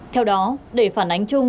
theo đó để phản ánh chung